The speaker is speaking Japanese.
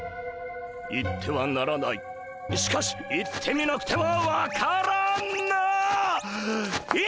行ってはならないしかし行ってみなくては分からない！